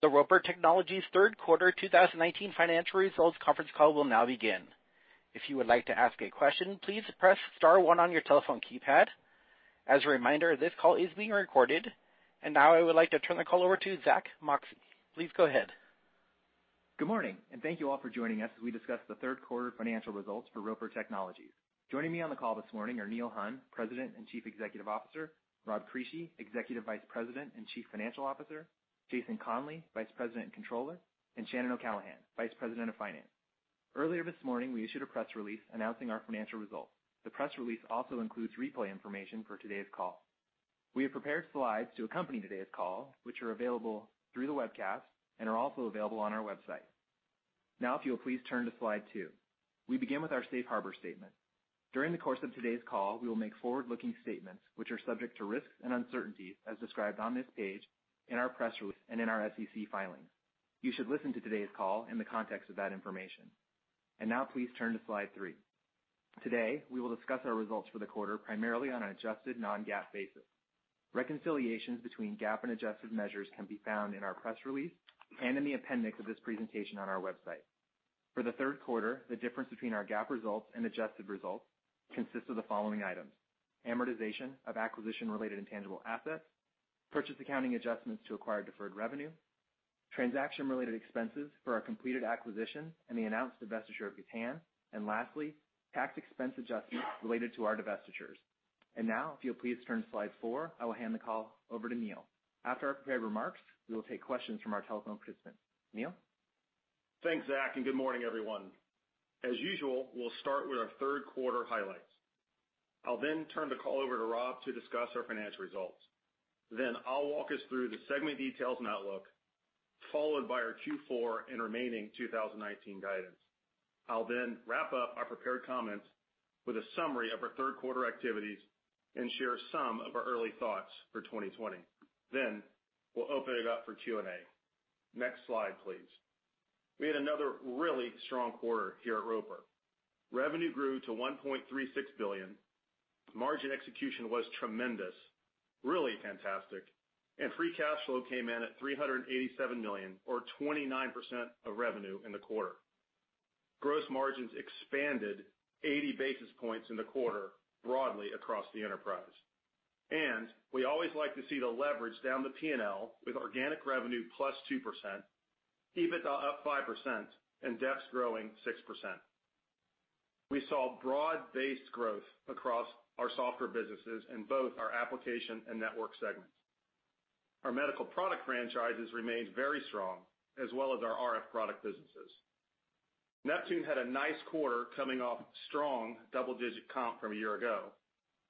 The Roper Technologies third quarter 2019 financial results conference call will now begin. If you would like to ask a question, please press star one on your telephone keypad. As a reminder, this call is being recorded. Now I would like to turn the call over to Zack Moxcey. Please go ahead. Good morning, thank you all for joining us as we discuss the third quarter financial results for Roper Technologies. Joining me on the call this morning are Neil Hunn, President and Chief Executive Officer, Rob Crisci, Executive Vice President and Chief Financial Officer, Jason Conley, Vice President and Controller, and Shannon O'Callaghan, Vice President of Finance. Earlier this morning, we issued a press release announcing our financial results. The press release also includes replay information for today's call. We have prepared slides to accompany today's call, which are available through the webcast and are also available on our website. If you'll please turn to slide two. We begin with our safe harbor statement. During the course of today's call, we will make forward-looking statements which are subject to risks and uncertainties as described on this page, in our press release, and in our SEC filings. You should listen to today's call in the context of that information. Now please turn to slide three. Today, we will discuss our results for the quarter, primarily on an adjusted non-GAAP basis. Reconciliations between GAAP and adjusted measures can be found in our press release and in the appendix of this presentation on our website. For the third quarter, the difference between our GAAP results and adjusted results consists of the following items: amortization of acquisition-related intangible assets, purchase accounting adjustments to acquire deferred revenue, transaction-related expenses for our completed acquisition, and the announced divestiture of Gatan, and lastly, tax expense adjustments related to our divestitures. Now, if you'll please turn to slide four, I will hand the call over to Neil. After our prepared remarks, we will take questions from our telephone participants. Neil? Thanks, Zack. Good morning, everyone. As usual, we'll start with our third quarter highlights. I'll turn the call over to Rob to discuss our financial results. I'll walk us through the segment details and outlook, followed by our Q4 and remaining 2019 guidance. I'll wrap up our prepared comments with a summary of our third quarter activities and share some of our early thoughts for 2020. We'll open it up for Q&A. Next slide, please. We had another really strong quarter here at Roper. Revenue grew to $1.36 billion. Margin execution was tremendous, really fantastic. Free cash flow came in at $387 million, or 29% of revenue in the quarter. Gross margins expanded 80 basis points in the quarter broadly across the enterprise. We always like to see the leverage down the P&L with organic revenue plus 2%, EBITDA up 5%, and DEPS growing 6%. We saw broad-based growth across our software businesses in both our application and network segments. Our medical product franchises remained very strong, as well as our RF product businesses. Neptune had a nice quarter coming off strong double-digit comp from a year ago,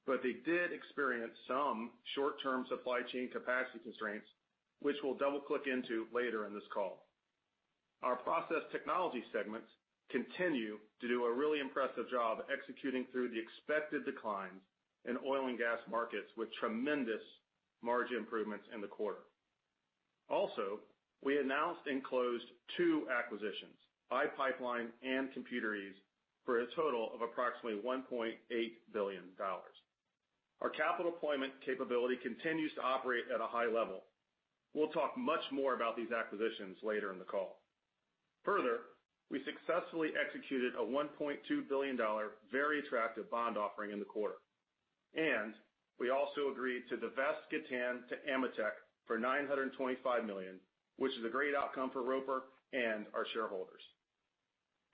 but they did experience some short-term supply chain capacity constraints, which we'll double-click into later in this call. Our process technologies segments continue to do a really impressive job executing through the expected declines in oil and gas markets with tremendous margin improvements in the quarter. We announced and closed two acquisitions, iPipeline and ComputerEase, for a total of approximately $1.8 billion. Our capital deployment capability continues to operate at a high level. We'll talk much more about these acquisitions later in the call. We successfully executed a $1.2 billion very attractive bond offering in the quarter. We also agreed to divest Gatan to AMETEK for $925 million, which is a great outcome for Roper and our shareholders.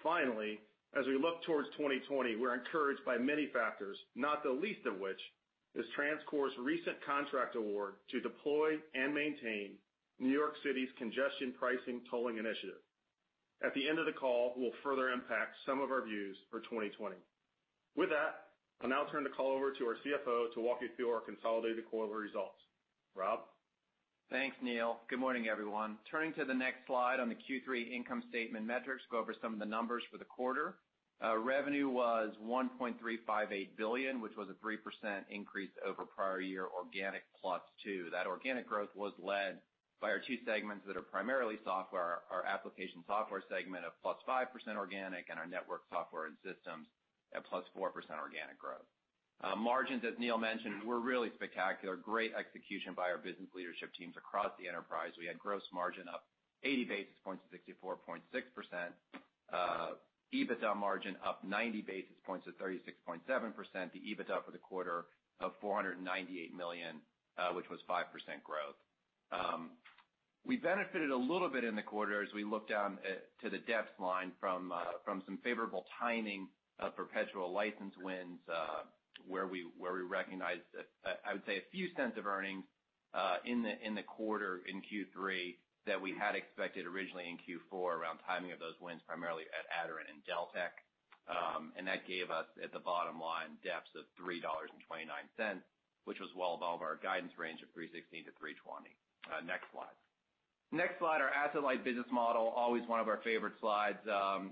As we look towards 2020, we're encouraged by many factors, not the least of which is TransCore's recent contract award to deploy and maintain New York City's Congestion Pricing Tolling Initiative. At the end of the call, we'll further unpack some of our views for 2020. With that, I'll now turn the call over to our CFO to walk you through our consolidated quarterly results. Rob? Thanks, Neil. Good morning, everyone. Turning to the next slide on the Q3 income statement metrics, go over some of the numbers for the quarter. Revenue was $1.358 billion, which was a 3% increase over prior year organic +2%. That organic growth was led by our two segments that are primarily software, our application software segment of +5% organic and our network software and systems at +4% organic growth. Margins, as Neil mentioned, were really spectacular. Great execution by our business leadership teams across the enterprise. We had gross margin up 80 basis points to 64.6%. EBITDA margin up 90 basis points to 36.7%. The EBITDA for the quarter of $498 million, which was 5% growth. We benefited a little bit in the quarter as we look down to the DEPS line from some favorable timing of perpetual license wins, where we recognized, I would say, a few cents of earnings in the quarter in Q3 that we had expected originally in Q4 around timing of those wins, primarily at Aderant and Deltek. That gave us, at the bottom line, DEPS of $3.29, which was well above our guidance range of $3.16-$3.20. Next slide. Next slide, our asset-light business model, always one of our favorite slides.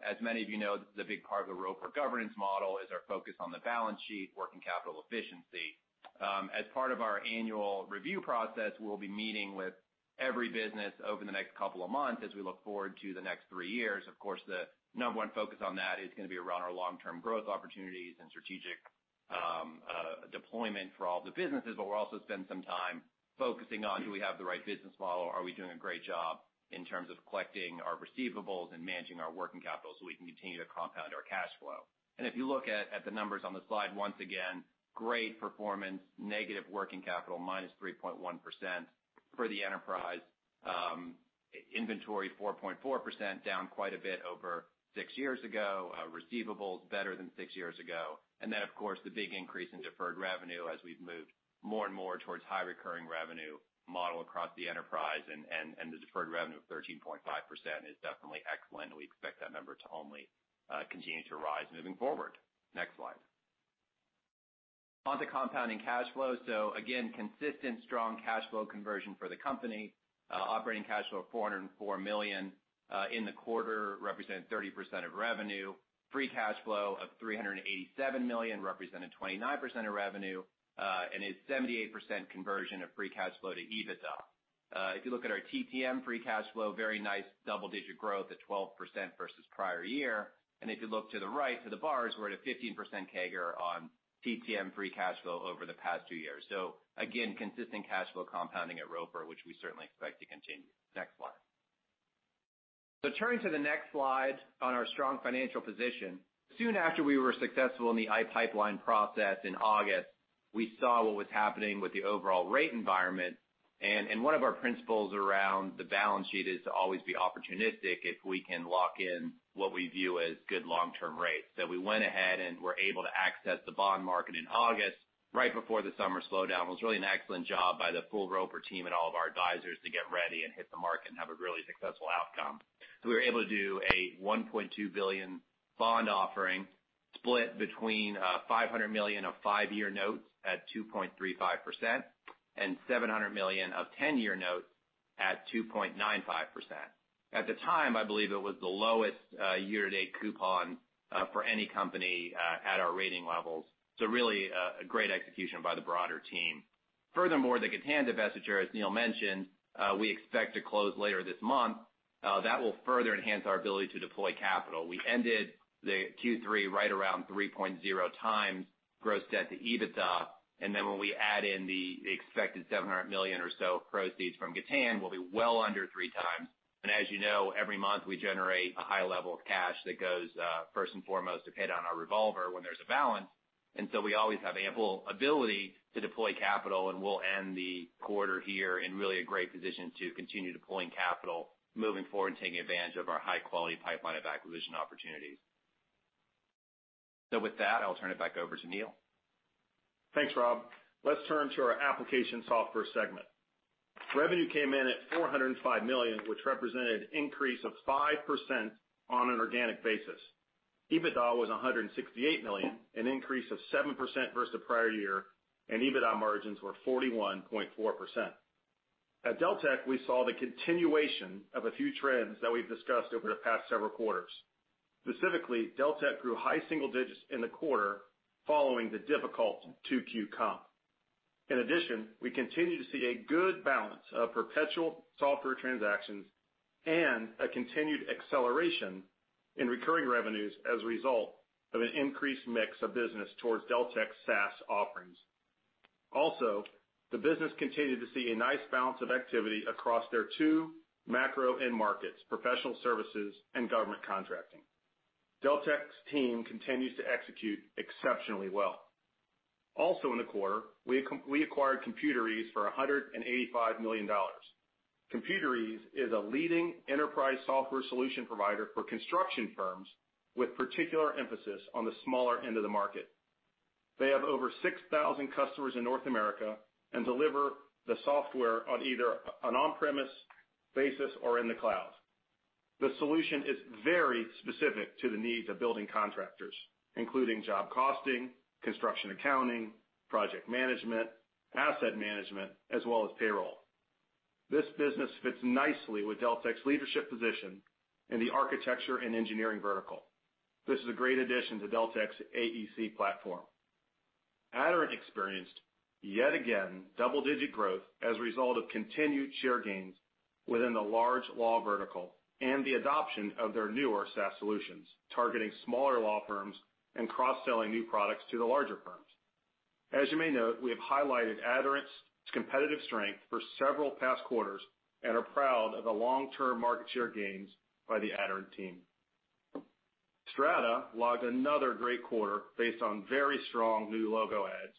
As many of you know, this is a big part of the Roper governance model is our focus on the balance sheet, working capital efficiency. As part of our annual review process. We'll be meeting with every business over the next couple of months as we look forward to the next three years. Of course, the number one focus on that is going to be around our long-term growth opportunities and strategic deployment for all of the businesses. We'll also spend some time focusing on do we have the right business model? Are we doing a great job in terms of collecting our receivables and managing our working capital so we can continue to compound our cash flow? If you look at the numbers on the slide, once again, great performance, negative working capital, minus 3.1% for the enterprise. Inventory 4.4%, down quite a bit over six years ago. Receivables better than six years ago. Of course, the big increase in deferred revenue as we've moved more and more towards high recurring revenue model across the enterprise. The deferred revenue of 13.5% is definitely excellent. We expect that number to only continue to rise moving forward. Next slide. On to compounding cash flow. Consistent strong cash flow conversion for the company. Operating cash flow of $404 million in the quarter, representing 30% of revenue. Free cash flow of $387 million representing 29% of revenue, and a 78% conversion of free cash flow to EBITDA. If you look at our TTM free cash flow, very nice double-digit growth at 12% versus prior year. If you look to the right for the bars, we're at a 15% CAGR on TTM free cash flow over the past two years. Again, consistent cash flow compounding at Roper, which we certainly expect to continue. Next slide. Turning to the next slide on our strong financial position. Soon after we were successful in the iPipeline process in August, we saw what was happening with the overall rate environment. One of our principles around the balance sheet is to always be opportunistic if we can lock in what we view as good long-term rates. We went ahead and were able to access the bond market in August, right before the summer slowdown. It was really an excellent job by the full Roper team and all of our advisors to get ready and hit the market and have a really successful outcome. We were able to do a $1.2 billion bond offering split between $500 million of 5-year notes at 2.35% and $700 million of 10-year notes at 2.95%. At the time, I believe it was the lowest year-to-date coupon for any company at our rating levels. Really, a great execution by the broader team. Furthermore, the Gatan divestiture, as Neil mentioned, we expect to close later this month. That will further enhance our ability to deploy capital. We ended the Q3 right around 3.0 times gross debt to EBITDA, and then when we add in the expected $700 million or so of proceeds from Gatan, we'll be well under 3 times. As you know, every month, we generate a high level of cash that goes first and foremost to pay down our revolver when there's a balance. We always have ample ability to deploy capital, and we'll end the quarter here in really a great position to continue deploying capital moving forward and taking advantage of our high-quality pipeline of acquisition opportunities. I'll turn it back over to Neil. Thanks, Rob. Let's turn to our application software segment. Revenue came in at $405 million, which represented an increase of 5% on an organic basis. EBITDA was $168 million, an increase of 7% versus the prior year, and EBITDA margins were 41.4%. At Deltek, we saw the continuation of a few trends that we've discussed over the past several quarters. Specifically, Deltek grew high single digits in the quarter following the difficult 2Q comp. In addition, we continue to see a good balance of perpetual software transactions and a continued acceleration in recurring revenues as a result of an increased mix of business towards Deltek's SaaS offerings. Also, the business continued to see a nice balance of activity across their two macro end markets, professional services and government contracting. Deltek's team continues to execute exceptionally well. Also in the quarter, we acquired ComputerEase for $185 million. ComputerEase is a leading enterprise software solution provider for construction firms with particular emphasis on the smaller end of the market. They have over 6,000 customers in North America and deliver the software on either an on-premise basis or in the cloud. The solution is very specific to the needs of building contractors, including job costing, construction accounting, project management, asset management, as well as payroll. This business fits nicely with Deltek's leadership position in the architecture and engineering vertical. This is a great addition to Deltek's AEC platform. Aderant experienced, yet again, double-digit growth as a result of continued share gains within the large law vertical and the adoption of their newer SaaS solutions, targeting smaller law firms and cross-selling new products to the larger firms. As you may note, we have highlighted Aderant's competitive strength for several past quarters and are proud of the long-term market share gains by the Aderant team. Strata logged another great quarter based on very strong new logo adds,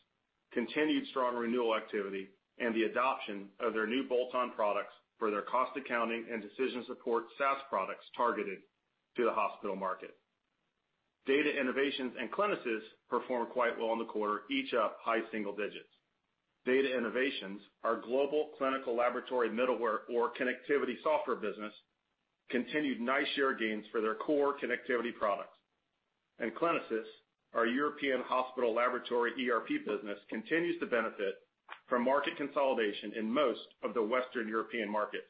continued strong renewal activity, and the adoption of their new bolt-on products for their cost accounting and decision support SaaS products targeted to the hospital market. Data Innovations and Clinisys performed quite well in the quarter, each up high single digits. Data Innovations, our global clinical laboratory middleware or connectivity software business, continued nice share gains for their core connectivity products. Clinisys, our European hospital laboratory ERP business, continues to benefit from market consolidation in most of the Western European markets.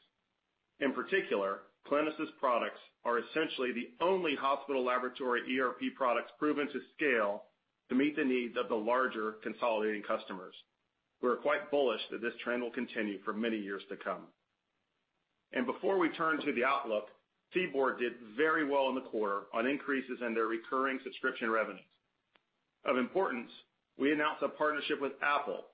In particular, Clinisys products are essentially the only hospital laboratory ERP products proven to scale to meet the needs of the larger consolidating customers. We're quite bullish that this trend will continue for many years to come. Before we turn to the outlook, CBORD did very well in the quarter on increases in their recurring subscription revenues. Of importance, we announced a partnership with Apple,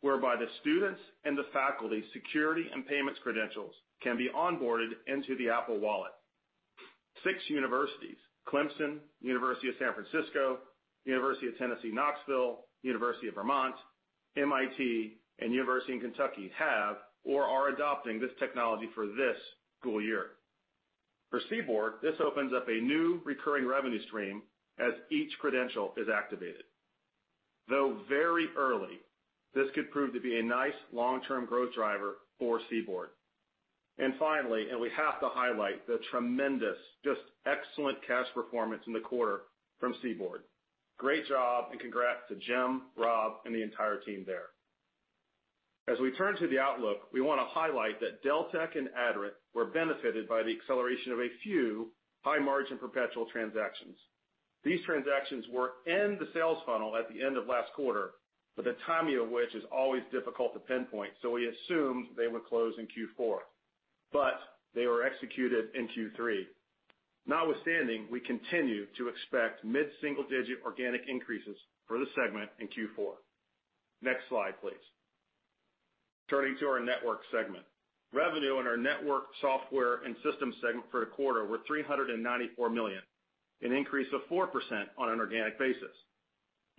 whereby the students and the faculty security and payments credentials can be onboarded into the Apple Wallet. Six universities, Clemson, University of San Francisco, University of Tennessee, Knoxville, University of Vermont, MIT, and University of Kentucky, have or are adopting this technology for this school year. For CBORD, this opens up a new recurring revenue stream as each credential is activated. Though very early, this could prove to be a nice long-term growth driver for CBORD. Finally, we have to highlight the tremendous, just excellent cash performance in the quarter from CBORD. Great job, congrats to Jim, Rob, and the entire team there. As we turn to the outlook, we want to highlight that Deltek and Aderant were benefited by the acceleration of a few high-margin perpetual transactions. These transactions were in the sales funnel at the end of last quarter, but the timing of which is always difficult to pinpoint, so we assumed they would close in Q4. They were executed in Q3. Notwithstanding, we continue to expect mid-single-digit organic increases for the segment in Q4. Next slide, please. Turning to our network segment. Revenue in our network software and systems segment for the quarter were $394 million, an increase of 4% on an organic basis.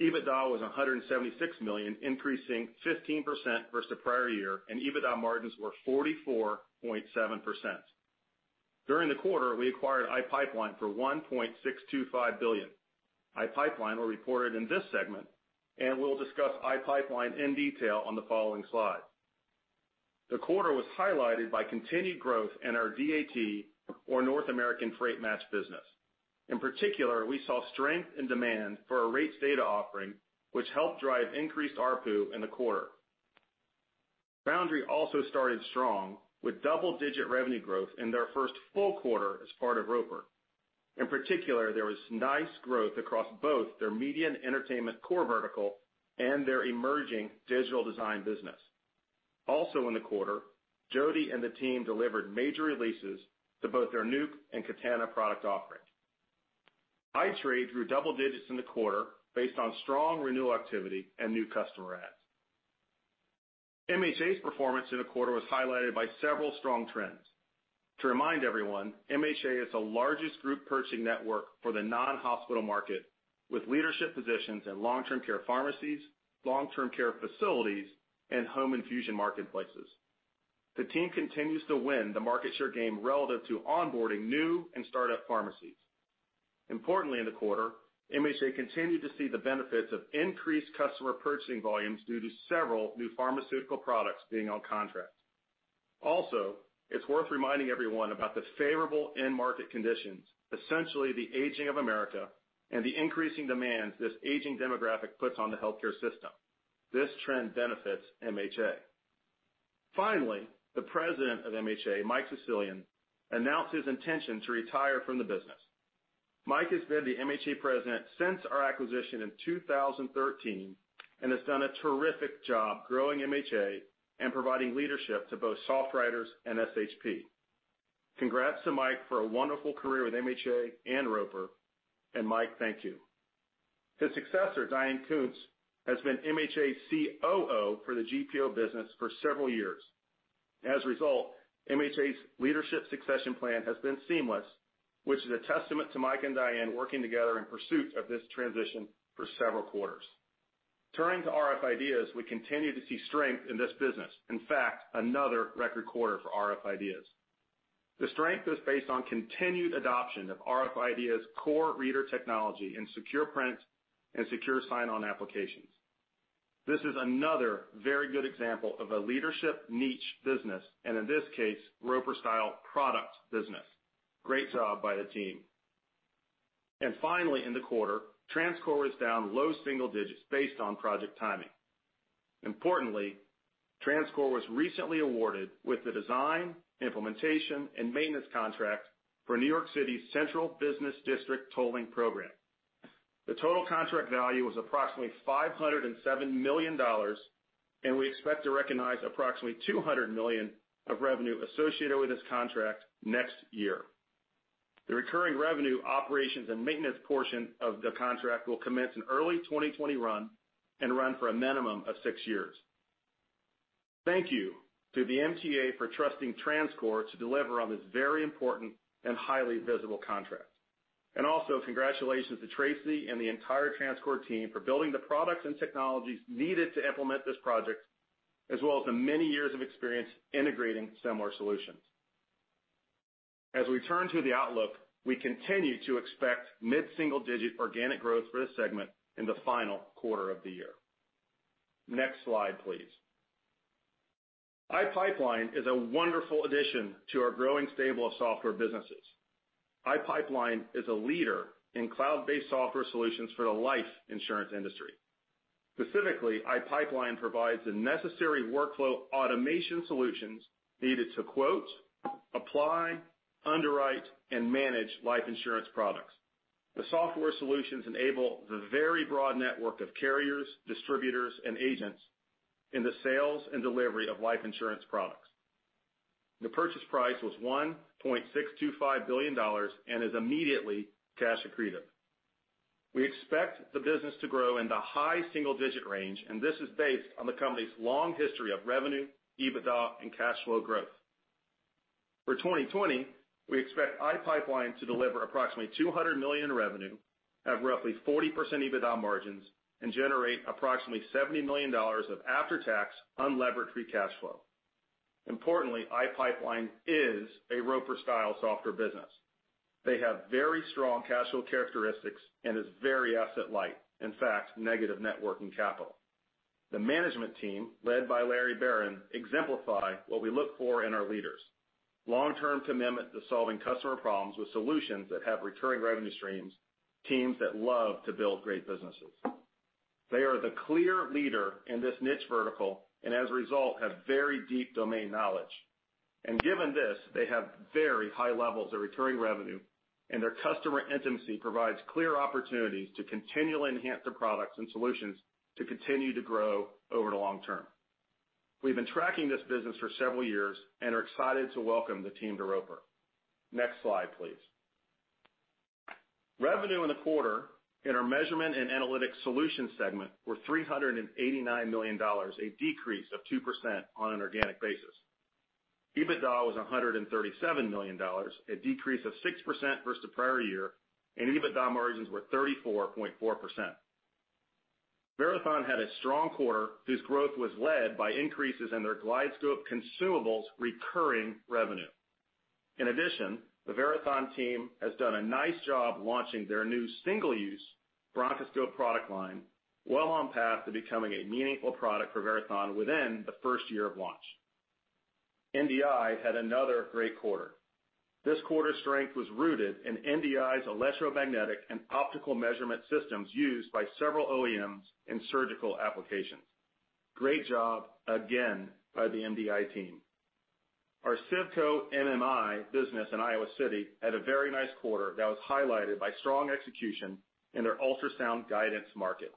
EBITDA was $176 million, increasing 15% versus the prior year, and EBITDA margins were 44.7%. During the quarter, we acquired iPipeline for $1.625 billion. iPipeline were reported in this segment, and we'll discuss iPipeline in detail on the following slide. The quarter was highlighted by continued growth in our DAT or North American Freight Match business. In particular, we saw strength and demand for our rates data offering, which helped drive increased ARPU in the quarter. Foundry also started strong with double-digit revenue growth in their first full quarter as part of Roper. In particular, there was nice growth across both their media and entertainment core vertical and their emerging digital design business. Also in the quarter, Jody and the team delivered major releases to both their Nuke and Katana product offerings. iTrade grew double digits in the quarter based on strong renewal activity and new customer adds. MHA's performance in the quarter was highlighted by several strong trends. To remind everyone, MHA is the largest group purchasing network for the non-hospital market, with leadership positions in long-term care pharmacies, long-term care facilities, and home infusion marketplaces. The team continues to win the market share game relative to onboarding new and start-up pharmacies. Importantly, in the quarter, MHA continued to see the benefits of increased customer purchasing volumes due to several new pharmaceutical products being on contract. It's worth reminding everyone about the favorable end market conditions, essentially the aging of America and the increasing demands this aging demographic puts on the healthcare system. This trend benefits MHA. The president of MHA, Mike Sicilian, announced his intention to retire from the business. Mike has been the MHA president since our acquisition in 2013 and has done a terrific job growing MHA and providing leadership to both SoftWriters and SHP. Congrats to Mike for a wonderful career with MHA and Roper, and Mike, thank you. His successor, Diane Koontz, has been MHA COO for the GPO business for several years. As a result, MHA's leadership succession plan has been seamless, which is a testament to Mike and Diane working together in pursuit of this transition for several quarters. Turning to rf IDEAS, we continue to see strength in this business. In fact, another record quarter for rf IDEAS. The strength is based on continued adoption of rf IDEAS' core reader technology in secure print and secure sign-on applications. This is another very good example of a leadership niche business, and in this case, Roper-style product business. Great job by the team. Finally, in the quarter, TransCore was down low single digits based on project timing. Importantly, TransCore was recently awarded with the design, implementation, and maintenance contract for New York City's Central Business District Tolling Program. The total contract value was approximately $507 million. We expect to recognize approximately $200 million of revenue associated with this contract next year. The recurring revenue operations and maintenance portion of the contract will commence in early 2020 and run for a minimum of six years. Thank you to the MTA for trusting TransCore to deliver on this very important and highly visible contract. Also congratulations to Tracy and the entire TransCore team for building the products and technologies needed to implement this project, as well as the many years of experience integrating similar solutions. As we turn to the outlook, we continue to expect mid-single-digit organic growth for this segment in the final quarter of the year. Next slide, please. iPipeline is a wonderful addition to our growing stable of software businesses. iPipeline is a leader in cloud-based software solutions for the life insurance industry. Specifically, iPipeline provides the necessary workflow automation solutions needed to quote, apply, underwrite, and manage life insurance products. The software solutions enable the very broad network of carriers, distributors, and agents in the sales and delivery of life insurance products. The purchase price was $1.625 billion and is immediately cash accretive. We expect the business to grow in the high single-digit range, and this is based on the company's long history of revenue, EBITDA, and cash flow growth. For 2020, we expect iPipeline to deliver approximately $200 million in revenue at roughly 40% EBITDA margins and generate approximately $70 million of after-tax, unlevered free cash flow. Importantly, iPipeline is a Roper-style software business. They have very strong cash flow characteristics and is very asset light. In fact, negative net working capital. The management team, led by Larry Berran, exemplify what we look for in our leaders. Long-term commitment to solving customer problems with solutions that have recurring revenue streams, teams that love to build great businesses. They are the clear leader in this niche vertical, and as a result, have very deep domain knowledge. Given this, they have very high levels of recurring revenue, and their customer intimacy provides clear opportunities to continually enhance their products and solutions to continue to grow over the long term. We've been tracking this business for several years and are excited to welcome the team to Roper. Next slide, please. Revenue in the quarter in our measurement and analytics solutions segment were $389 million, a decrease of 2% on an organic basis. EBITDA was $137 million, a decrease of 6% versus the prior year, and EBITDA margins were 34.4%. Verathon had a strong quarter whose growth was led by increases in their GlideScope consumables recurring revenue. In addition, the Verathon team has done a nice job launching their new single-use bronchoscope product line well on path to becoming a meaningful product for Verathon within the first year of launch. NDI had another great quarter. This quarter's strength was rooted in NDI's electromagnetic and optical measurement systems used by several OEMs in surgical applications. Great job again by the NDI team. Our CIVCO MMI business in Iowa City had a very nice quarter that was highlighted by strong execution in their ultrasound guidance market.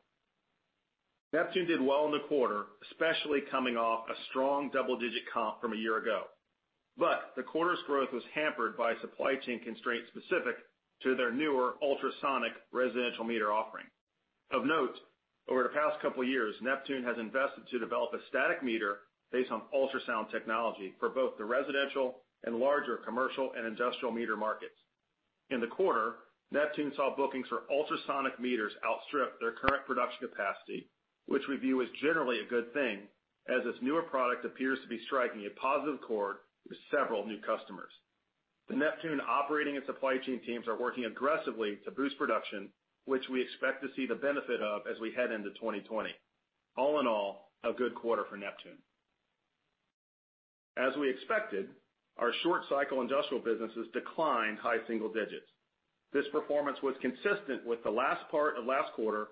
Neptune did well in the quarter, especially coming off a strong double-digit comp from a year ago. The quarter's growth was hampered by supply chain constraints specific to their newer ultrasonic residential meter offering. Of note, over the past couple of years, Neptune has invested to develop a static meter based on ultrasound technology for both the residential and larger commercial and industrial meter markets. In the quarter, Neptune saw bookings for ultrasonic meters outstrip their current production capacity, which we view as generally a good thing, as this newer product appears to be striking a positive chord with several new customers. The Neptune operating and supply chain teams are working aggressively to boost production, which we expect to see the benefit of as we head into 2020. All in all, a good quarter for Neptune. As we expected, our short-cycle industrial businesses declined high single digits. This performance was consistent with the last part of last quarter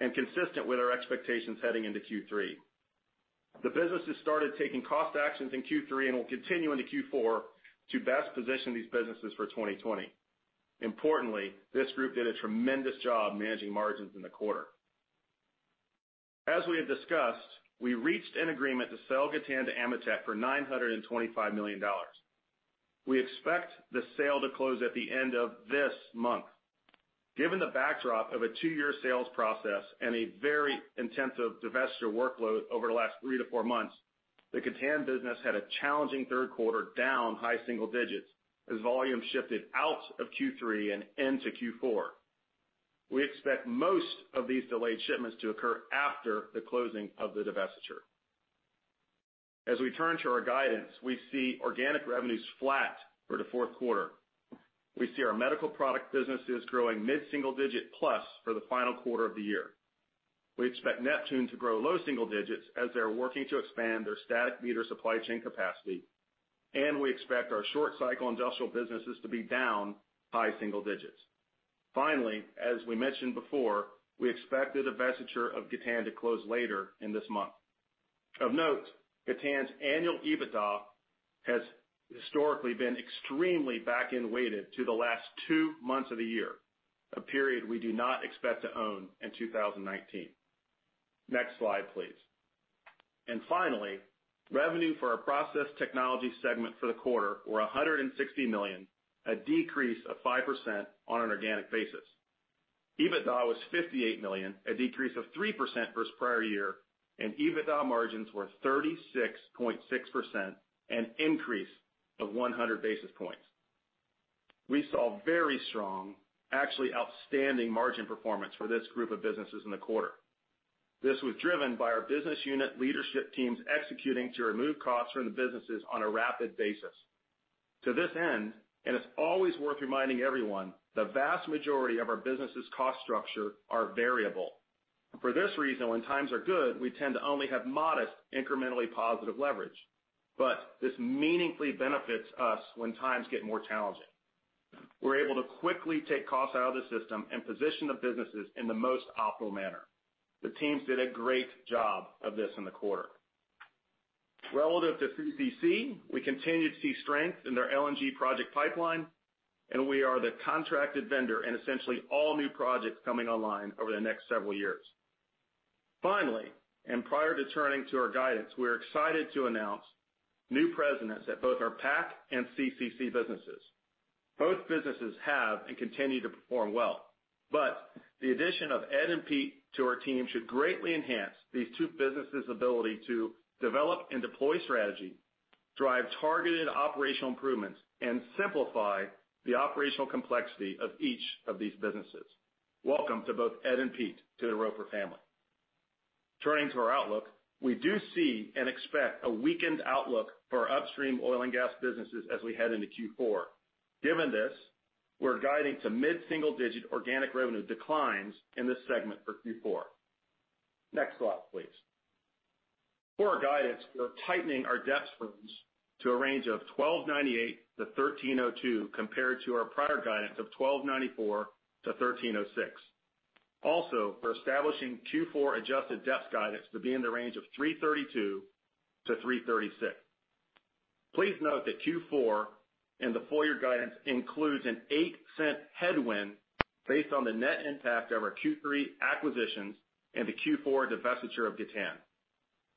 and consistent with our expectations heading into Q3. The businesses started taking cost actions in Q3 and will continue into Q4 to best position these businesses for 2020. Importantly, this group did a tremendous job managing margins in the quarter. As we had discussed, we reached an agreement to sell Gatan to AMETEK for $925 million. We expect the sale to close at the end of this month. Given the backdrop of a two-year sales process and a very intensive divestiture workload over the last three to four months, the Gatan business had a challenging third quarter down high single digits as volume shifted out of Q3 and into Q4. We expect most of these delayed shipments to occur after the closing of the divestiture. As we turn to our guidance, we see organic revenues flat for the fourth quarter. We see our medical product businesses growing mid-single digit plus for the final quarter of the year. We expect Neptune to grow low single digits as they are working to expand their static meter supply chain capacity, and we expect our short-cycle industrial businesses to be down high single digits. Finally, as we mentioned before, we expect the divestiture of Gatan to close later in this month. Of note, Gatan's annual EBITDA has historically been extremely back-end weighted to the last two months of the year, a period we do not expect to own in 2019. Next slide, please. Finally, revenue for our Process Technologies segment for the quarter were $160 million, a decrease of 5% on an organic basis. EBITDA was $58 million, a decrease of 3% versus prior year, and EBITDA margins were 36.6%, an increase of 100 basis points. We saw very strong, actually outstanding margin performance for this group of businesses in the quarter. This was driven by our business unit leadership teams executing to remove costs from the businesses on a rapid basis. To this end, it's always worth reminding everyone, the vast majority of our business' cost structure are variable. For this reason, when times are good, we tend to only have modest incrementally positive leverage. This meaningfully benefits us when times get more challenging. We're able to quickly take costs out of the system and position the businesses in the most optimal manner. The teams did a great job of this in the quarter. Relative to CCC, we continue to see strength in their LNG project pipeline, and we are the contracted vendor in essentially all new projects coming online over the next several years. Finally, prior to turning to our guidance, we're excited to announce new presidents at both our PAC and CCC businesses. Both businesses have and continue to perform well, the addition of Ed and Pete to our team should greatly enhance these two businesses' ability to develop and deploy strategy, drive targeted operational improvements, and simplify the operational complexity of each of these businesses. Welcome to both Ed and Pete to the Roper family. Turning to our outlook, we do see and expect a weakened outlook for our upstream oil and gas businesses as we head into Q4. Given this, we're guiding to mid-single-digit organic revenue declines in this segment for Q4. Next slide, please. For our guidance, we are tightening our DEPS range to $12.98-$13.02, compared to our prior guidance of $12.94-$13.06. Also, we're establishing Q4 adjusted DEPS guidance to be in the range of $3.32-$3.36. Please note that Q4 and the full year guidance includes an $0.08 headwind based on the net impact of our Q3 acquisitions and the Q4 divestiture of Gatan.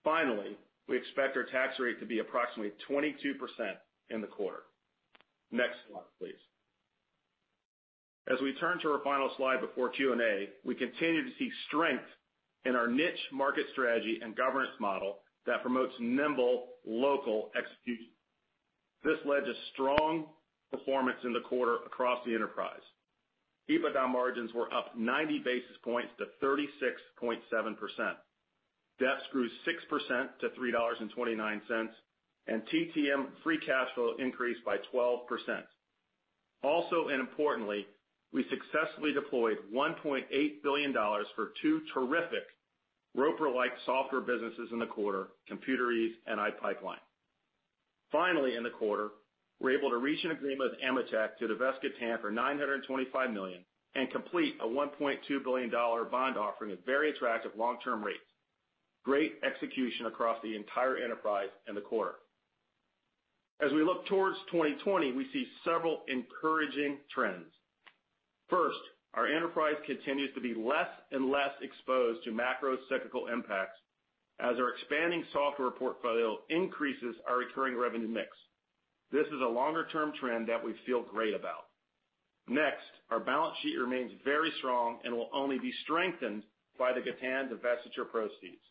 Finally, we expect our tax rate to be approximately 22% in the quarter. Next slide, please. As we turn to our final slide before Q&A, we continue to see strength in our niche market strategy and governance model that promotes nimble local execution. This led to strong performance in the quarter across the enterprise. EBITDA margins were up 90 basis points to 36.7%. DEPS grew 6% to $3.29, and TTM free cash flow increased by 12%. Also, and importantly, we successfully deployed $1.8 billion for two terrific Roper-like software businesses in the quarter, ComputerEase and iPipeline. Finally, in the quarter, we are able to reach an agreement with AMETEK to divest Gatan for $925 million and complete a $1.2 billion bond offering at very attractive long-term rates. Great execution across the entire enterprise in the quarter. As we look towards 2020, we see several encouraging trends. First, our enterprise continues to be less and less exposed to macro cyclical impacts as our expanding software portfolio increases our recurring revenue mix. This is a longer-term trend that we feel great about. Next, our balance sheet remains very strong and will only be strengthened by the Gatan divestiture proceeds.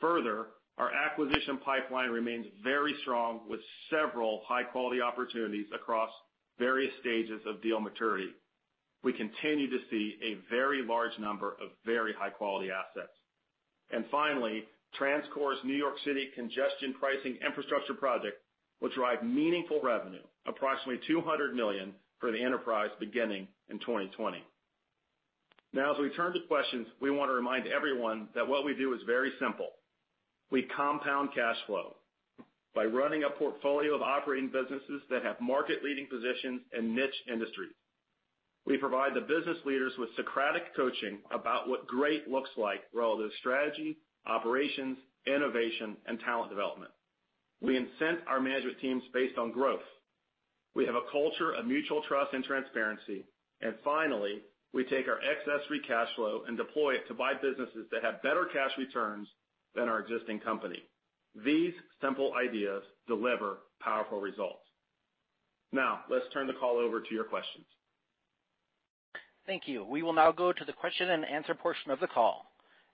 Further, our acquisition pipeline remains very strong with several high-quality opportunities across various stages of deal maturity. We continue to see a very large number of very high-quality assets. Finally, TransCore's New York City congestion pricing infrastructure project will drive meaningful revenue, approximately $200 million, for the enterprise beginning in 2020. As we turn to questions, we want to remind everyone that what we do is very simple. We compound cash flow by running a portfolio of operating businesses that have market-leading positions in niche industries. We provide the business leaders with Socratic coaching about what great looks like relative to strategy, operations, innovation, and talent development. We incent our management teams based on growth. We have a culture of mutual trust and transparency. Finally, we take our excess free cash flow and deploy it to buy businesses that have better cash returns than our existing company. These simple ideas deliver powerful results. Let's turn the call over to your questions. Thank you. We will now go to the question and answer portion of the call.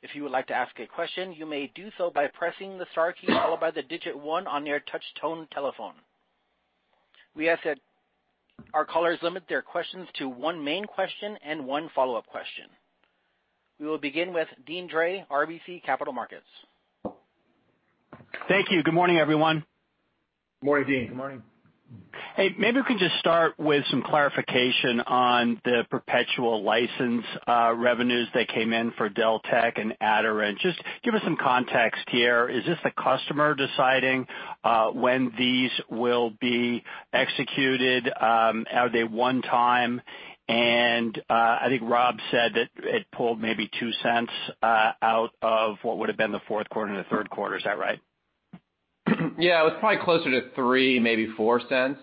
If you would like to ask a question, you may do so by pressing the star key followed by the digit 1 on your touch-tone telephone. We ask that our callers limit their questions to one main question and one follow-up question. We will begin with Deane Dray, RBC Capital Markets. Thank you. Good morning, everyone. Morning, Deane. Good morning. Hey, maybe we can just start with some clarification on the perpetual license revenues that came in for Deltek and Aderant. Just give us some context here. Is this the customer deciding when these will be executed? Are they one time? I think Rob said that it pulled maybe $0.02 out of what would have been the fourth quarter and the third quarter. Is that right? Yeah, it was probably closer to $0.03, maybe $0.04.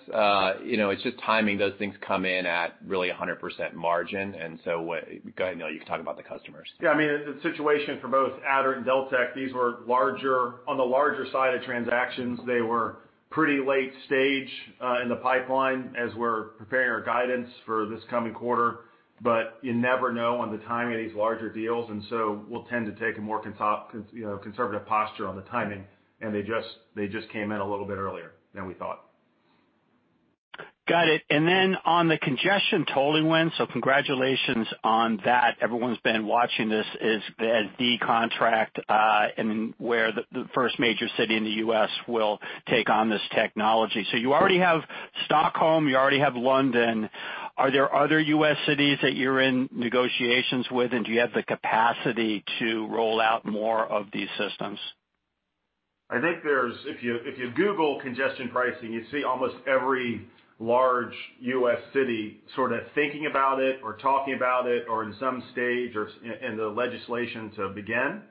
It's just timing. Those things come in at really 100% margin, and so go ahead, Neil, you can talk about the customers. Yeah, the situation for both Aderant and Deltek, these were on the larger side of transactions. They were pretty late stage in the pipeline as we're preparing our guidance for this coming quarter, but you never know on the timing of these larger deals, and so we'll tend to take a more conservative posture on the timing, and they just came in a little bit earlier than we thought. Got it. On the congestion tolling win, congratulations on that. Everyone's been watching this as the contract and where the first major city in the U.S. will take on this technology. You already have Stockholm, you already have London. Are there other U.S. cities that you're in negotiations with, and do you have the capacity to roll out more of these systems? I think if you Google congestion pricing, you see almost every large U.S. city sort of thinking about it or talking about it, or in some stage in the legislation to begin.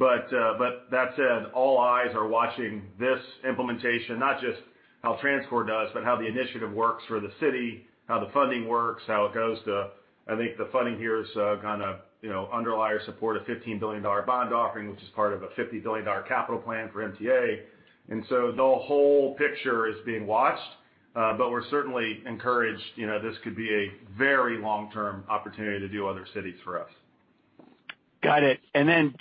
That said, all eyes are watching this implementation, not just how TransCore does, but how the initiative works for the city, how the funding works, how it goes to I think the funding here is kind of underlie or support, a $15 billion bond offering, which is part of a $50 billion capital plan for MTA. The whole picture is being watched. We're certainly encouraged. This could be a very long-term opportunity to do other cities for us. Got it.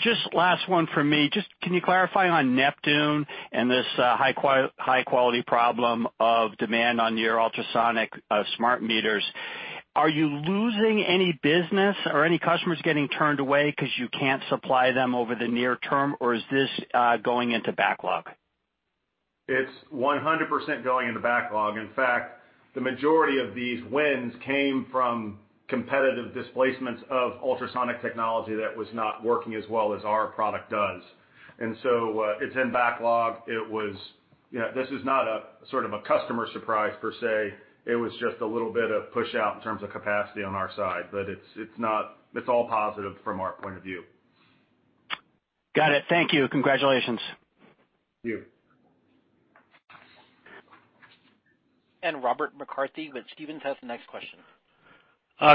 Just last one for me. Can you clarify on Neptune and this high-quality problem of demand on your ultrasonic smart meters? Are you losing any business? Are any customers getting turned away because you can't supply them over the near term, or is this going into backlog? It's 100% going into backlog. In fact, the majority of these wins came from competitive displacements of ultrasonic technology that was not working as well as our product does. It's in backlog. This is not a sort of a customer surprise per se. It was just a little bit of push out in terms of capacity on our side. It's all positive from our point of view. Got it. Thank you. Congratulations. Thank you. Robert McCarthy with Stephens has the next question.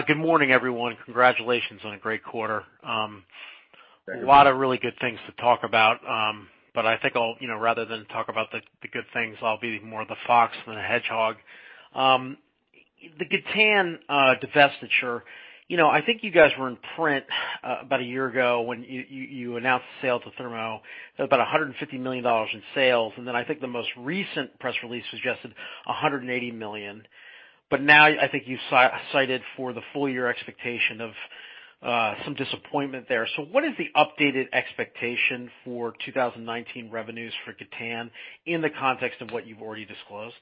Good morning, everyone. Congratulations on a great quarter. Thank you. A lot of really good things to talk about. I think rather than talk about the good things, I'll be more of a fox than a hedgehog. The Gatan divestiture, I think you guys were in print about a year ago when you announced the sale to Thermo, about $150 million in sales. I think the most recent press release suggested $180 million. Now I think you cited for the full-year expectation of some disappointment there. What is the updated expectation for 2019 revenues for Gatan in the context of what you've already disclosed?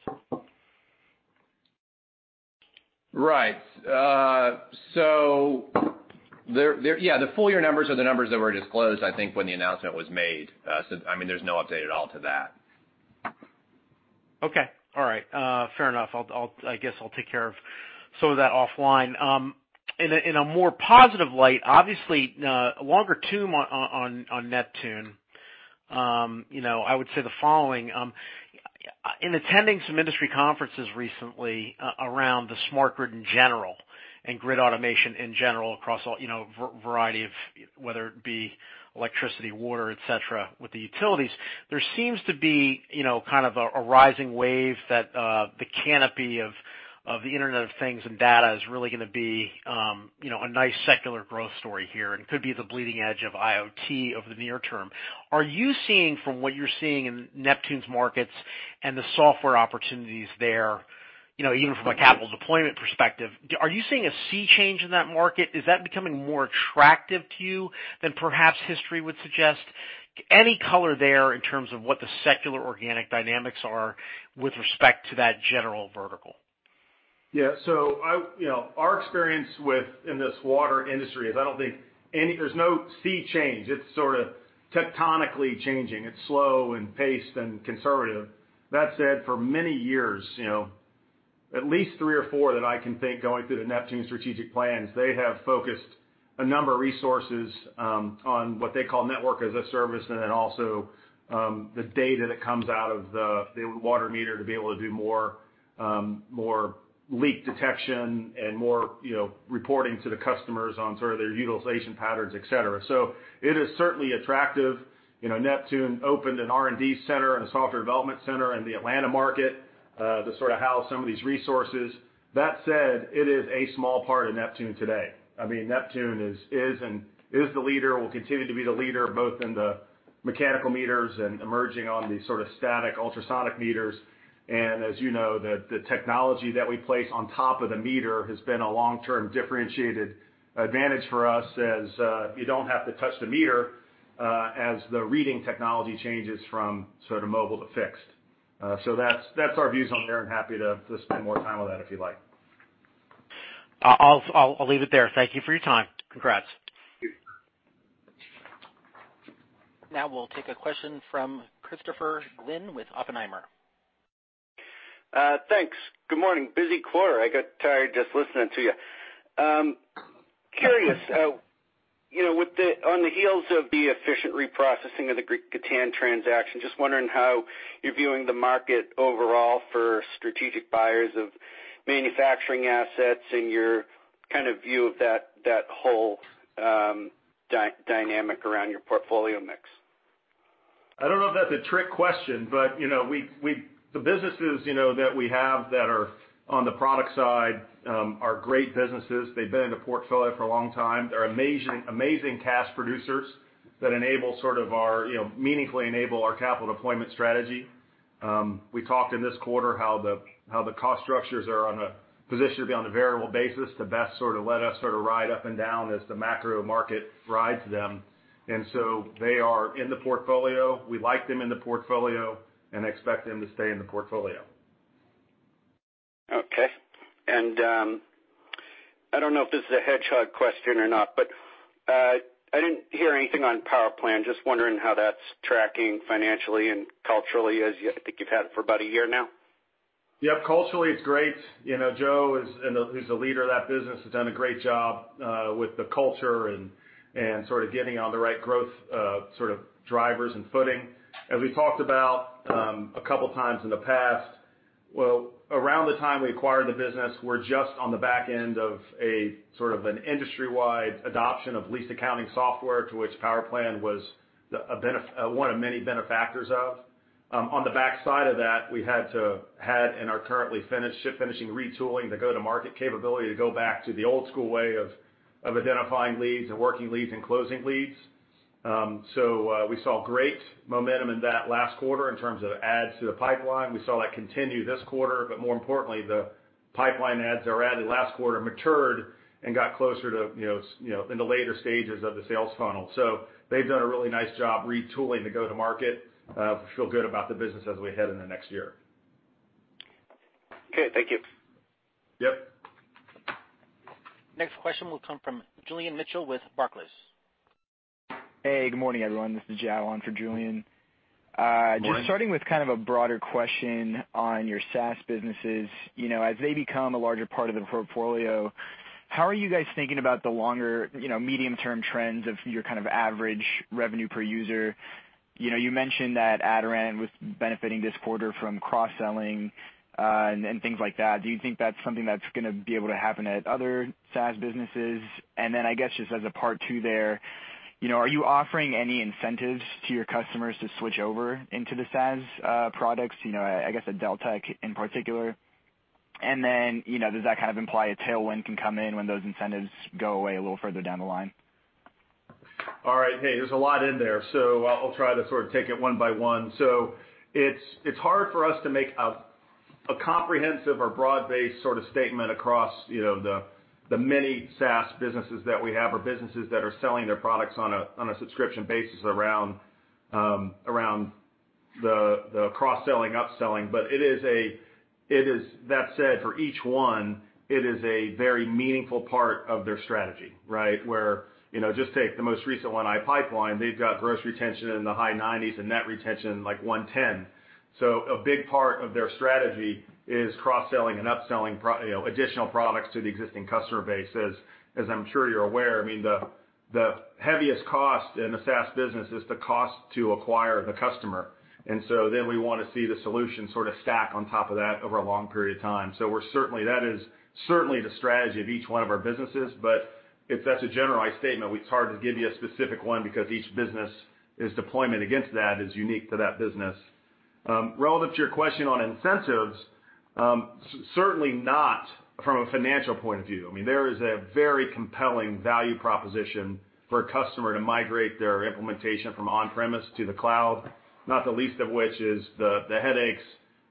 Right. The full year numbers are the numbers that were disclosed, I think, when the announcement was made. There's no update at all to that. Okay. All right. Fair enough. I guess I'll take care of some of that offline. In a more positive light, obviously, a longer tune on Neptune. I would say the following. In attending some industry conferences recently around the smart grid in general and grid automation in general across a variety of, whether it be electricity, water, et cetera, with the utilities, there seems to be kind of a rising wave that the canopy of the Internet of Things and data is really going to be a nice secular growth story here and could be the bleeding edge of IoT over the near term. Are you seeing from what you're seeing in Neptune's markets and the software opportunities there, even from a capital deployment perspective, are you seeing a sea change in that market? Is that becoming more attractive to you than perhaps history would suggest? Any color there in terms of what the secular organic dynamics are with respect to that general vertical? Yeah. Our experience within this water industry is I don't think there's any sea change. It's sort of tectonically changing. It's slow and paced and conservative. That said, for many years, at least three or four that I can think going through the Neptune strategic plans, they have focused a number of resources on what they call network as a service, and then also the data that comes out of the water meter to be able to do more leak detection and more reporting to the customers on sort of their utilization patterns, et cetera. It is certainly attractive. Neptune opened an R&D center and a software development center in the Atlanta market to sort of house some of these resources. That said, it is a small part of Neptune today. Neptune is the leader, will continue to be the leader, both in the mechanical meters and emerging on the sort of static ultrasonic meters. As you know, the technology that we place on top of the meter has been a long-term differentiated advantage for us as you don't have to touch the meter as the reading technology changes from sort of mobile to fixed. That's our views on there, and happy to spend more time on that if you like. I'll leave it there. Thank you for your time. Congrats. Thank you. Now we'll take a question from Christopher Glynn with Oppenheimer. Thanks. Good morning. Busy quarter. I got tired just listening to you. Curious, on the heels of the efficient reprocessing of the Gatan transaction, just wondering how you're viewing the market overall for strategic buyers of manufacturing assets and your kind of view of that whole dynamic around your portfolio mix. I don't know if that's a trick question, but the businesses that we have that are on the product side are great businesses. They've been in the portfolio for a long time. They're amazing cash producers that meaningfully enable our capital deployment strategy. We talked in this quarter how the cost structures are on a position to be on a variable basis to best sort of let us sort of ride up and down as the macro market rides them. They are in the portfolio. We like them in the portfolio and expect them to stay in the portfolio. Okay. I don't know if this is a hedgehog question or not, but I didn't hear anything on PowerPlan. I'm just wondering how that's tracking financially and culturally, as I think you've had it for about a year now. Yep. Culturally, it's great. Joe, who's the leader of that business, has done a great job with the culture and sort of getting on the right growth drivers and footing. As we talked about a couple of times in the past, around the time we acquired the business, we're just on the back end of an industry-wide adoption of lease accounting software, to which PowerPlan was one of many benefactors of. On the backside of that, we had and are currently finishing retooling the go-to-market capability to go back to the old school way of identifying leads and working leads and closing leads. We saw great momentum in that last quarter in terms of adds to the pipeline. We saw that continue this quarter, but more importantly, the pipeline adds that were added last quarter matured and got closer in the later stages of the sales funnel. They've done a really nice job retooling the go-to-market. Feel good about the business as we head into next year. Okay, thank you. Yep. Next question will come from Julian Mitchell with Barclays. Hey, good morning, everyone. This is Jawan for Julian. Good morning. Just starting with kind of a broader question on your SaaS businesses. As they become a larger part of the portfolio, how are you guys thinking about the longer, medium term trends of your kind of average revenue per user? You mentioned that Aderant was benefiting this quarter from cross-selling and things like that. Do you think that's something that's going to be able to happen at other SaaS businesses? I guess just as a part two there, are you offering any incentives to your customers to switch over into the SaaS products, I guess at Deltek in particular? Does that kind of imply a tailwind can come in when those incentives go away a little further down the line? All right. Hey, there is a lot in there, I will try to sort of take it one by one. It is hard for us to make a comprehensive or broad-based sort of statement across the many SaaS businesses that we have, or businesses that are selling their products on a subscription basis around the cross-selling, upselling. That said, for each one, it is a very meaningful part of their strategy, right? Where, just take the most recent one, iPipeline, they have got gross retention in the high 90s and net retention like 110. A big part of their strategy is cross-selling and upselling additional products to the existing customer base. As I am sure you are aware, the heaviest cost in the SaaS business is the cost to acquire the customer. We want to see the solution sort of stack on top of that over a long period of time. That is certainly the strategy of each one of our businesses, but that's a generalized statement. It's hard to give you a specific one because each business' deployment against that is unique to that business. Relative to your question on incentives, certainly not from a financial point of view. There is a very compelling value proposition for a customer to migrate their implementation from on-premise to the cloud, not the least of which is the headaches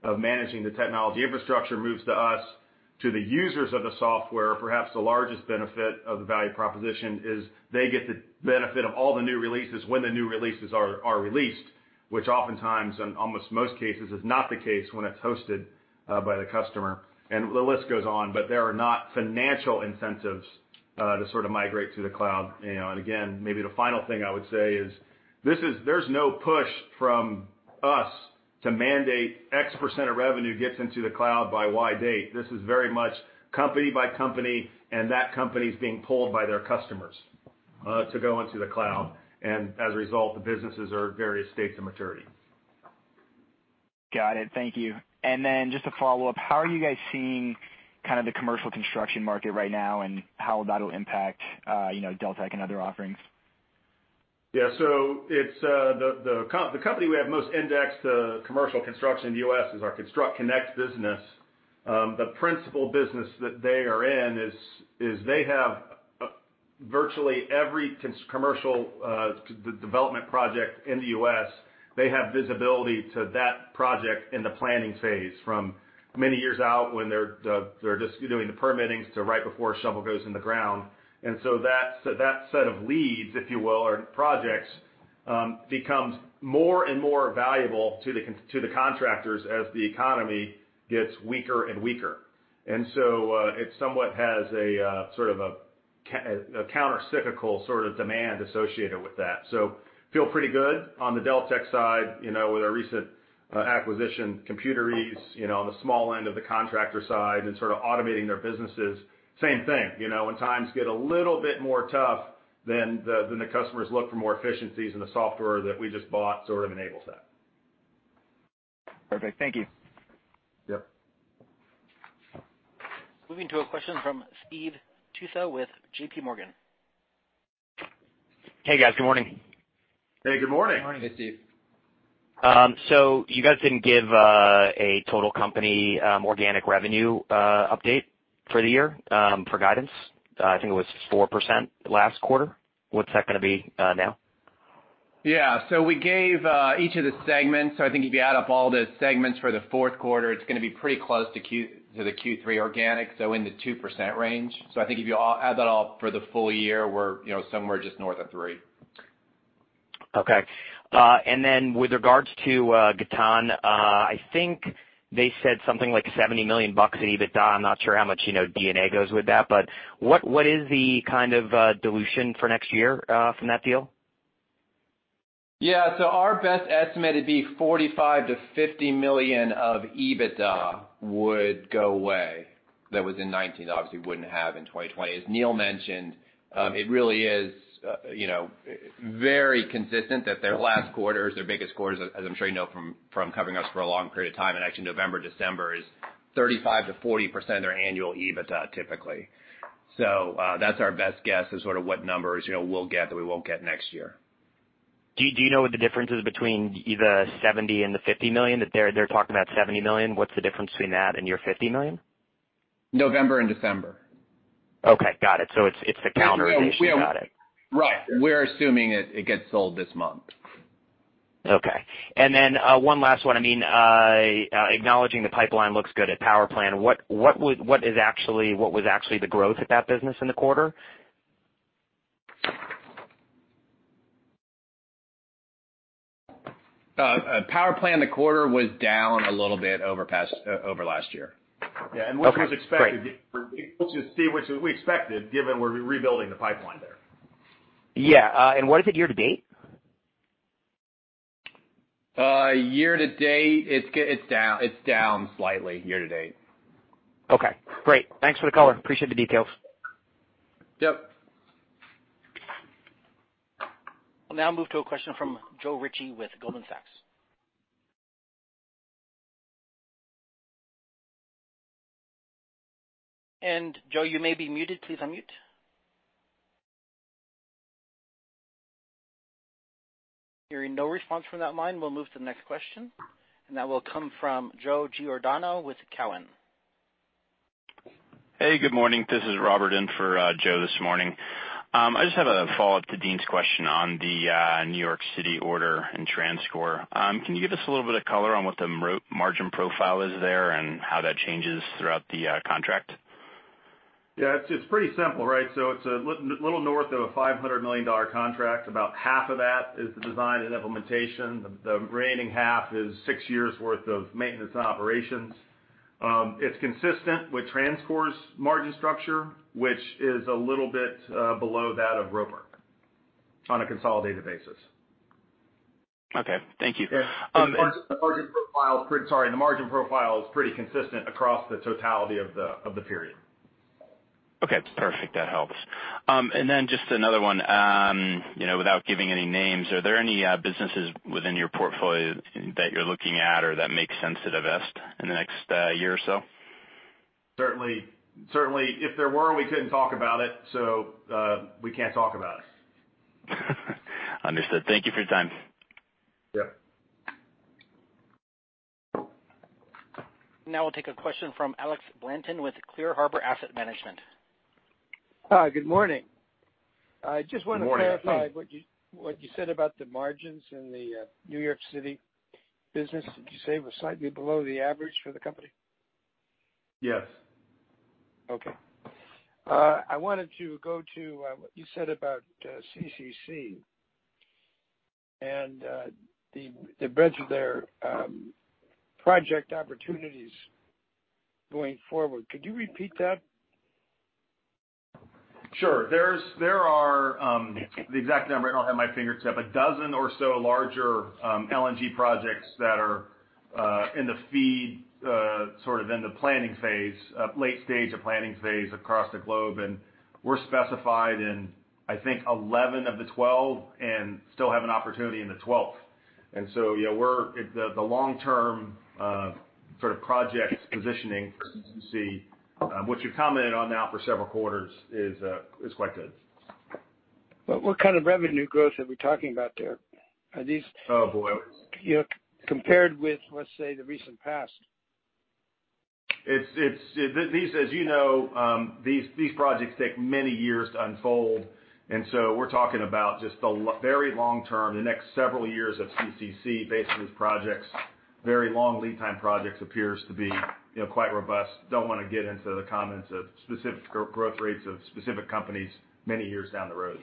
of managing the technology infrastructure moves to us. To the users of the software, perhaps the largest benefit of the value proposition is they get the benefit of all the new releases when the new releases are released, which oftentimes and almost most cases is not the case when it's hosted by the customer, and the list goes on. There are not financial incentives to sort of migrate to the cloud. Again, maybe the final thing I would say is, there's no push from us to mandate X% of revenue gets into the cloud by Y date. This is very much company by company, and that company's being pulled by their customers to go into the cloud. As a result, the businesses are at various states of maturity. Got it. Thank you. Just a follow-up, how are you guys seeing the commercial construction market right now, and how that'll impact Deltek and other offerings? Yeah. The company we have most indexed to commercial construction in the U.S. is our ConstructConnect business. The principal business that they are in is they have virtually every commercial development project in the U.S., they have visibility to that project in the planning phase from many years out when they're just doing the permitting to right before a shovel goes in the ground. That set of leads, if you will, or projects, becomes more and more valuable to the contractors as the economy gets weaker and weaker. It somewhat has a sort of a countercyclical sort of demand associated with that. Feel pretty good on the Deltek side, with our recent acquisition, ComputerEase, on the small end of the contractor side and sort of automating their businesses. Same thing. When times get a little bit more tough, then the customers look for more efficiencies, and the software that we just bought sort of enables that. Perfect. Thank you. Yep. Moving to a question from Steve Tusa with JPMorgan. Hey, guys. Good morning. Hey, good morning. Good morning. Hey, Steve. You guys didn't give a total company organic revenue update for the year, for guidance. I think it was 4% last quarter. What's that gonna be now? Yeah. We gave each of the segments. I think if you add up all the segments for the fourth quarter, it's gonna be pretty close to the Q3 organic, so in the 2% range. I think if you add that all for the full year, we're somewhere just north of three. Okay. With regards to Gatan, I think they said something like $70 million in EBITDA. I'm not sure how much D&A goes with that, but what is the kind of dilution for next year from that deal? Yeah. Our best estimate would be $45 million-$50 million of EBITDA would go away. That was in 2019, obviously wouldn't have in 2020. As Neil mentioned, it really is very consistent that their last quarter is their biggest quarter, as I'm sure you know from covering us for a long period of time. Actually November, December is 35%-40% of their annual EBITDA typically. That's our best guess as sort of what numbers we'll get that we won't get next year. Do you know what the difference is between the $70 and the $50 million? They're talking about $70 million. What's the difference between that and your $50 million? November and December. Okay. Got it. It's a calendar issue. Got it. Right. We're assuming it gets sold this month. Okay. One last one. Acknowledging the pipeline looks good at PowerPlan, what was actually the growth of that business in the quarter? PowerPlan, the quarter was down a little bit over last year. Okay, great. Which is what we expected given we're rebuilding the pipeline there. Yeah. What is it year to date? Year to date, it's down slightly. Okay, great. Thanks for the color. Appreciate the details. Yep. We'll now move to a question from Joe Ritchie with Goldman Sachs. Joe, you may be muted. Please unmute. Hearing no response from that line, we'll move to the next question, that will come from Joe Giordano with Cowen. Hey, good morning. This is Robert in for Joe this morning. I just have a follow-up to Deane's question on the New York City order and TransCore. Can you give us a little bit of color on what the margin profile is there and how that changes throughout the contract? Yeah. It's pretty simple, right? It's a little north of a $500 million contract. About half of that is the design and implementation. The remaining half is six years' worth of maintenance and operations. It's consistent with TransCore's margin structure, which is a little bit below that of Roper on a consolidated basis. Okay. Thank you. Yeah. The margin profile is pretty consistent across the totality of the period. Okay, perfect. That helps. Just another one. Without giving any names, are there any businesses within your portfolio that you're looking at or that make sense to divest in the next year or so? Certainly, if there were, we couldn't talk about it, so we can't talk about it. Understood. Thank you for your time. Yep. Now we'll take a question from Alex Blanton with Clear Harbor Asset Management. Hi. Good morning. Good morning. I just want to clarify what you said about the margins in the New York City business. Did you say it was slightly below the average for the company? Yes. Okay. I wanted to go to what you said about CCC and the breadth of their project opportunities going forward. Could you repeat that? Sure. The exact number I don't have at my fingertips. 12 or so larger LNG projects that are in the feed, sort of in the planning phase, late stage of planning phase across the globe. We're specified in, I think, 11 of the 12 and still have an opportunity in the 12th. Yeah, the long-term sort of project positioning for CCC, which we've commented on now for several quarters, is quite good. What kind of revenue growth are we talking about there? Oh, boy. compared with, let's say, the recent past? As you know, these projects take many years to unfold, and so we're talking about just the very long term, the next several years of CCC based on these projects, very long lead time projects appears to be quite robust. Don't want to get into the comments of specific growth rates of specific companies many years down the road.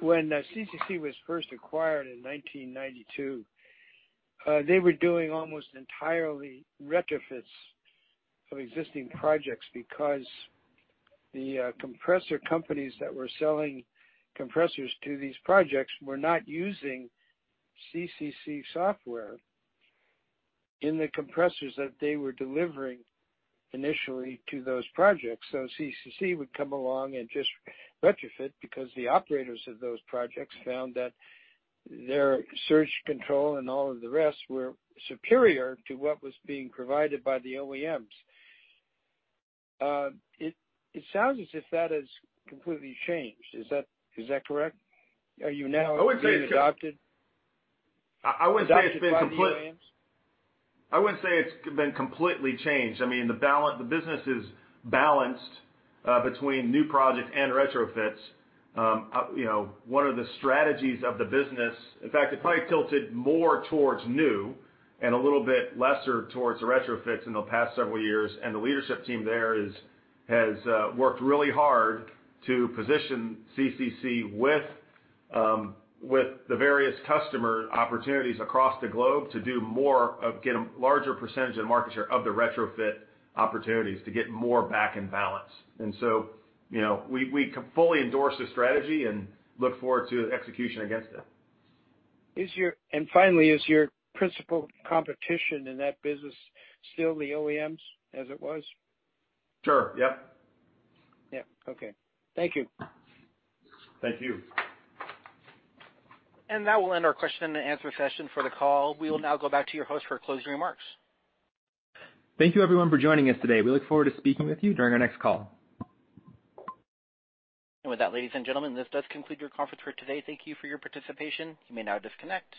When CCC was first acquired in 1992, they were doing almost entirely retrofits of existing projects because the compressor companies that were selling compressors to these projects were not using CCC software in the compressors that they were delivering initially to those projects. CCC would come along and just retrofit because the operators of those projects found that their surge control and all of the rest were superior to what was being provided by the OEMs. It sounds as if that has completely changed. Is that correct? Are you now? I wouldn't say it's. being adopted? I wouldn't say it's been completely- Adopted by the OEMs? I wouldn't say it's been completely changed. I mean, the business is balanced between new projects and retrofits. One of the strategies of the business, in fact, it probably tilted more towards new and a little bit lesser towards the retrofits in the past several years. The leadership team there has worked really hard to position CCC with the various customer opportunities across the globe to do more, get a larger % of the market share of the retrofit opportunities to get more back in balance. We fully endorse the strategy and look forward to execution against it. Finally, is your principal competition in that business still the OEMs as it was? Sure. Yep. Yeah. Okay. Thank you. Thank you. That will end our question and answer session for the call. We will now go back to your host for closing remarks. Thank you everyone for joining us today. We look forward to speaking with you during our next call. With that, ladies and gentlemen, this does conclude your conference for today. Thank you for your participation. You may now disconnect.